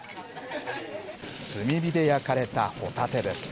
炭火で焼かれたホタテです。